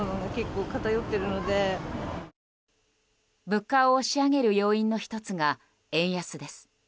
物価を押し上げる要因の１つが円安です。